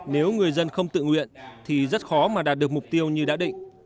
nếu người dân không tự nguyện thì rất khó mà đạt được mục tiêu như đã định